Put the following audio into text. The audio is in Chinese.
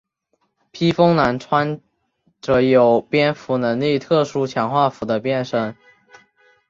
披风男穿着有蝙蝠能力特殊强化服的变身。